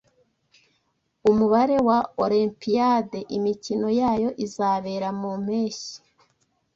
Umubare wa Olimpiyade imikino yayo izabera mu mpeshyi